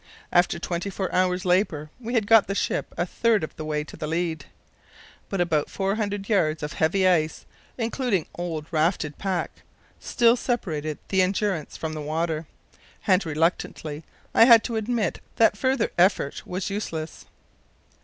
After twenty four hours' labour we had got the ship a third of the way to the lead. But about 400 yards of heavy ice, including old rafted pack, still separated the Endurance from the water, and reluctantly I had to admit that further effort was useless.